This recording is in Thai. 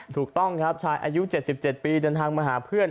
ถูกต้องครับชายอายุ๗๗ปีเดินทางมาหาเพื่อน